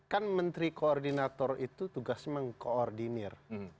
kan menteri koordinator itu tugasnya mengkoordinir